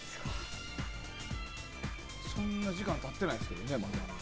そんな時間経ってないですけどね、まだ。